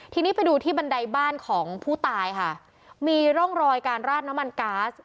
ทีนี้ไปดูที่บันไดบ้านของผู้ตายค่ะมีร่องรอยการราดน้ำมันก๊าซ